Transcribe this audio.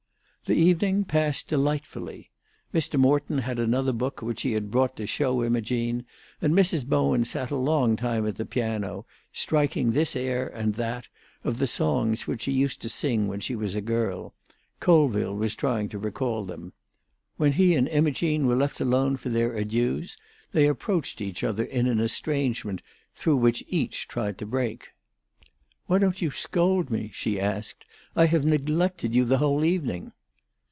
The evening passed delightfully. Mr. Morton had another book which he had brought to show Imogene, and Mrs. Bowen sat a long time at the piano, striking this air and that of the songs which she used to sing when she was a girl: Colville was trying to recall them. When he and Imogene were left alone for their adieux, they approached each other in an estrangement through which each tried to break. "Why don't you scold me?" she asked. "I have neglected you the whole evening."